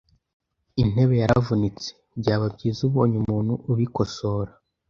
Intebe yaravunitse .Byaba byiza ubonye umuntu ubikosora .